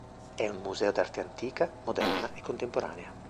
È un museo d'arte antica, moderna e contemporanea.